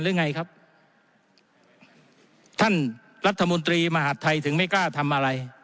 หรือไงครับท่านรัฐมนตรีมหาดไทยถึงไม่กล้าทำอะไร